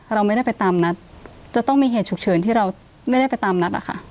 เราไม่ได้ไปตามนัดจะต้องมีเหตุฉุกเฉินที่เราไม่ได้ไปตามนัดอะค่ะ